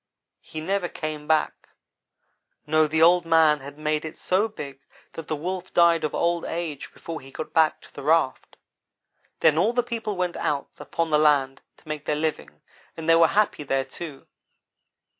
He never came back no, the Old man had made it so big that the Wolf died of old age before he got back to the raft. Then all the people went out upon the land to make their living, and they were happy, there, too.